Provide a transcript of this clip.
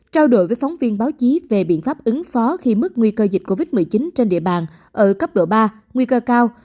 trao đổi với phóng viên báo chí về biện pháp ứng phó khi mức nguy cơ dịch covid một mươi chín trên địa bàn ở cấp độ ba nguy cơ cao